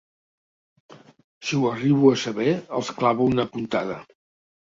Si ho arribo a saber els clavo una puntada.